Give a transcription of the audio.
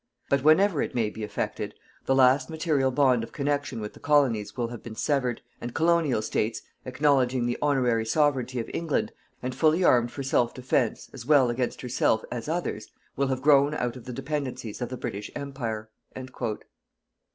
But whenever it may be effected, the last material bond of connection with the Colonies will have been severed, and colonial states, acknowledging the honorary sovereignty of England, and fully armed for self defence, as well against herself as others, will have grown out of the dependencies of the British Empire.